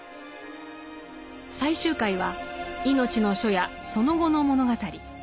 最終回は「いのちの初夜」その後の物語。